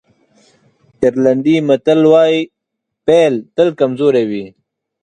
آیرلېنډی متل وایي پيل تل کمزوری وي.